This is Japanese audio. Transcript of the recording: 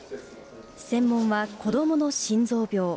専門は子どもの心臓病。